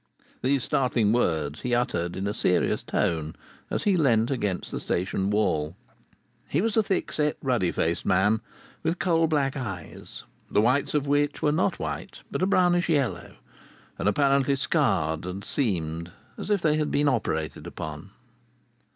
These startling words he uttered in a serious tone as he leaned against the Station wall. He was a thick set, ruddy faced man, with coal black eyes, the whites of which were not white, but a brownish yellow, and apparently scarred and seamed, as if they had been operated upon.